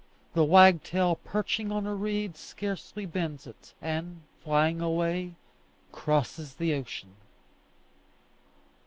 The wagtail perching on a reed scarcely bends it, and, flying away, crosses the ocean.